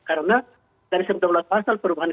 karena dari sebetulnya pasal perubahan